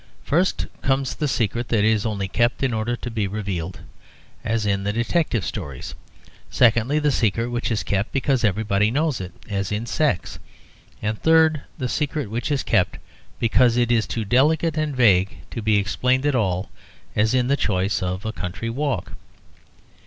First comes the secret that is only kept in order to be revealed, as in the detective stories; secondly, the secret which is kept because everybody knows it, as in sex; and third, the secret which is kept because it is too delicate and vague to be explained at all, as in the choice of a country walk.